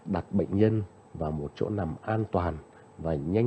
đấy bởi vì là không phải là hạ